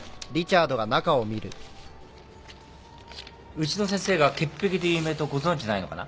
うちの先生が潔癖で有名とご存じないのかな。